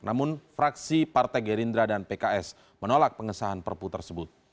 namun fraksi partai gerindra dan pks menolak pengesahan perpu tersebut